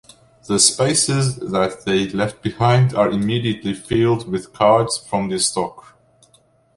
The spaces that they left behind are immediately filled with cards from the stock.